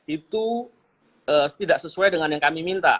itu tidak sesuai dengan yang kami minta